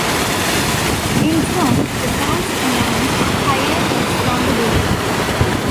In June, The Grouch announced hiatus from the group.